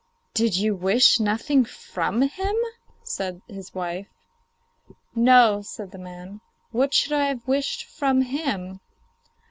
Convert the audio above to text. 'Did you wish nothing from him?' said his wife. 'No,' said the man; 'what should I have wished from him?